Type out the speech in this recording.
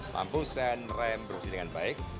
mampu sen rem berfungsi dengan baik